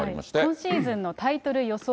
今シーズンのタイトル予想